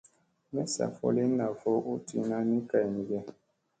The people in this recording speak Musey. Messa fo lin naa fo u tiina ni kay me ge ?